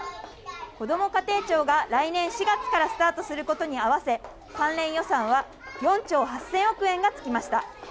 こども家庭庁が来年４月からスタートすることに合わせ、関連予算は４兆８０００億円がつきました。